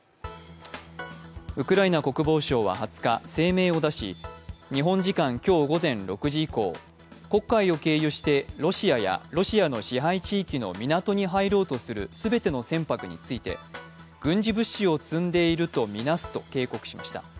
ウクライナ国防省は２０日、声明を出し、日本時間今日午前６時以降黒海を経由してロシアやロシアの支配地域の港に入ろうとする全ての船舶について軍事物資を積んでいるとみなすと警告しました。